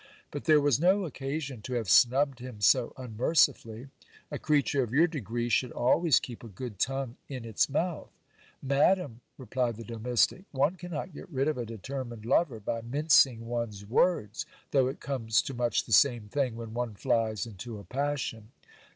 But there was no occasion to have snubbed him so unmercifully. A creature of your degree should always keep a good tongue in its mouth. Madam, replied the domestic, one cannot get rid of a determined lover by mincing one's words, though it comes to much the same thing when one flies into a passion.